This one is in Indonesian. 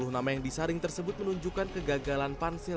empat puluh nama yang disaring tersebut menunjukkan kegagalan pansil